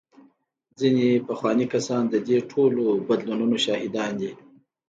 ځینې پخواني کسان د دې ټولو بدلونونو شاهدان دي.